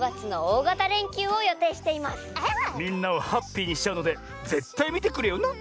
みんなをハッピーにしちゃうのでぜったいみてくれよな！